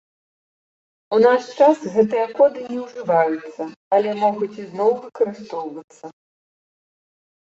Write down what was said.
У наш час гэтыя коды не ўжываюцца, але могуць ізноў выкарыстоўвацца.